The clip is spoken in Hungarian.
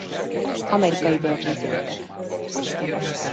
Amerikai Virgin-szigetek